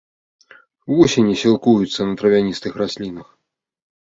Вусені сілкуюцца на травяністых раслінах.